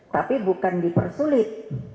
tapi bukan dipersulit